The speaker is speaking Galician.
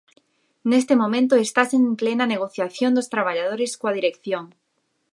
Neste momento estase en plena negociación dos traballadores coa dirección.